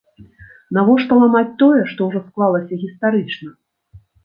Навошта ламаць тое, што ўжо склалася гістарычна?